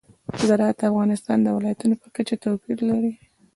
زراعت د افغانستان د ولایاتو په کچه توپیر لري.